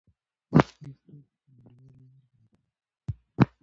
خپل توکي په نړیوال معیار برابر کړئ.